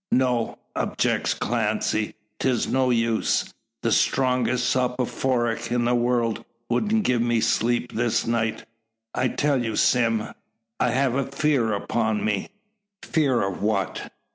"No," objects Clancy; "'tis no use. The strongest soporific in the world wouldn't give me sleep this night. I tell you, Sime, I have a fear upon me." "Fear o' what?"